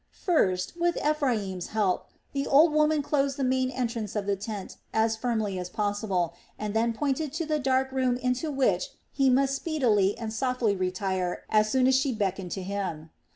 First, with Ephraim's help, the old woman closed the main entrance of the tent as firmly as possible, and then pointed to the dark room into which he must speedily and softly retire as soon as she beckoned to him.